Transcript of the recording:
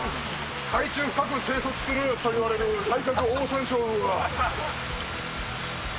海中深く生息するといわれてるタイカクオオサンショウウオが。